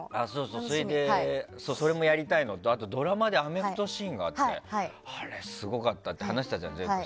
それもやりたいのとあと、ドラマでアメフトのシーンがあってあれ、すごかったって話したじゃん。